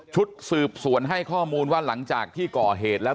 ชุดสืบสวนให้ข้อมูลว่าหลังจากที่ก่อเหตุแล้ว